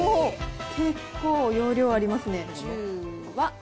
結構、容量ありますね。